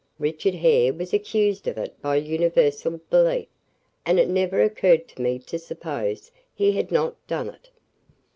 Richard Hare was accused of it by universal belief, and it never occurred to me to suppose he had not done it."